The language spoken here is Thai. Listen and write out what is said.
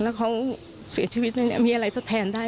แล้วเขาเสียชีวิตมีอะไรทดแทนได้